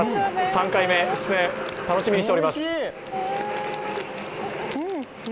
３回目の出演、楽しみにしております。